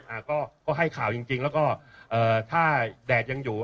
อ่าก็ก็ให้ข่าวจริงจริงแล้วก็เอ่อถ้าแดดยังอยู่